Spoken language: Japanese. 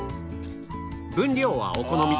分量はお好み